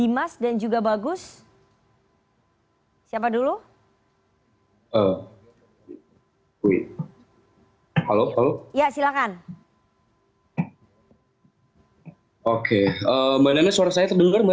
mbak nana suara saya terdengar